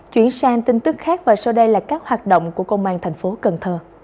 chuyển sang tin tức khác và sau đây là các hoạt động của công an tp cn